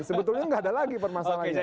sebetulnya nggak ada lagi permasalahannya